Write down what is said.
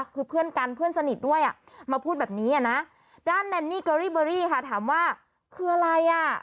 คือเพื่อนกันเพื่อนสนิทด้วยอ่ะมาพูดแบบนี้อ่ะนะด้านแนนนี่เกอรี่เบอรี่ค่ะถามว่าคืออะไรอ่ะ